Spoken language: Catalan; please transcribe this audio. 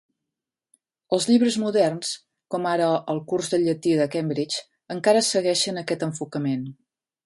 Els llibres moderns, com ara el "Curs de llatí de Cambridge", encara segueixen aquest enfocament.